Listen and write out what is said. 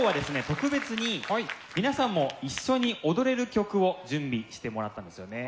特別に皆さんも一緒に踊れる曲を準備してもらったんですよね。